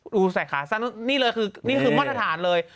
ดูใส่ขาสั้นนี่เลยคือนี่คือมาตรฐานเลย